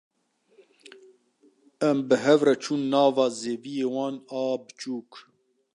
Em bi hev re çûn nava zeviya wan a biçûk.